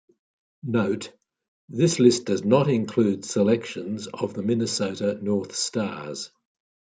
Note: This list does not include selections of the Minnesota North Stars.